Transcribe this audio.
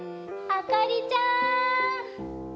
・あかりちゃん！